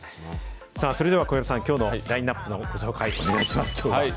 それでは小籔さん、きょうのラインナップのご紹介、お願いします。